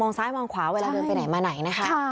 ซ้ายมองขวาเวลาเดินไปไหนมาไหนนะคะ